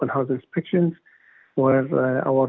atau inspeksi rumah terbuka